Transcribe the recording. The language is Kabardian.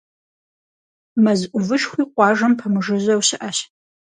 Мэз ӏувышхуи къуажэм пэмыжыжьэу щыӏэщ.